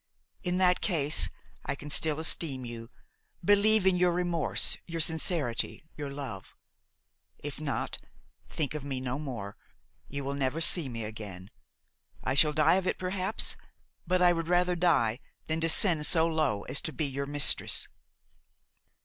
In that case I can still esteem you, believe in your remorse, your sincerity, your love; if not, think of me no more, you will never see me again. I shall die of it perhaps, but I would rather die than descend so low as to be your mistress."